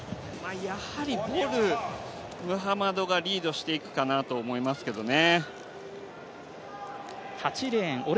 やはりボル、ムハマドがリードしていくかなと思いますけどね。